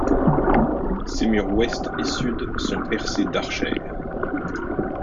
Ses murs ouest et sud sont percés d'archères.